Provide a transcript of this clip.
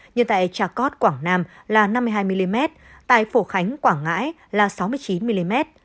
như tại trà cót quảng nam là năm mươi hai mm tại phổ khánh quảng ngãi là sáu mươi chín mm